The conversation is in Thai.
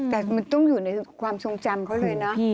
แต่มันต้องอยู่ในความทรงจำเขาเลยนะ